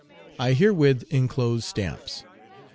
I herewith inclose stamps.